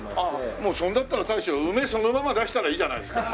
もうそれだったら大将梅そのまま出したらいいじゃないですか。